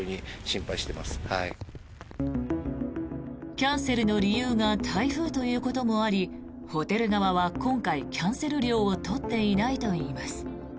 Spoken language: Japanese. キャンセルの理由が台風ということもありホテル側は今回、キャンセル料を取っていないといいます。